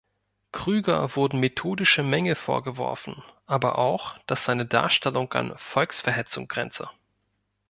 Krüger wurden methodische Mängel vorgeworfen, aber auch, dass seine Darstellung an Volksverhetzung grenze.